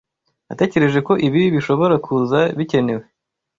Natekereje ko ibi bishobora kuza bikenewe.